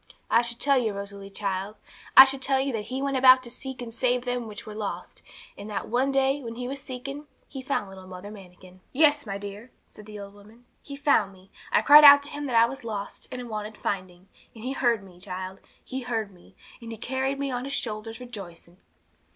I should tell you, Rosalie child, I should tell you that He went about to seek and save them which were lost, and that one day, when He was seeking, He found little Mother Manikin. 'Yes, my dear,' said the old woman; 'He found me. I cried out to Him that I was lost, and wanted finding; and He heard me, child. He heard me, and He carried me on His shoulders rejoicing.'